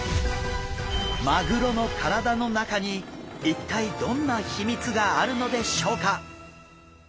マグロの体の中に一体どんな秘密があるのでしょうか？